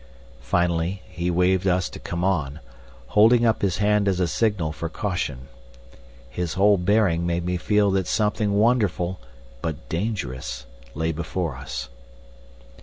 Finally he waved us to come on, holding up his hand as a signal for caution. His whole bearing made me feel that something wonderful but dangerous lay before us.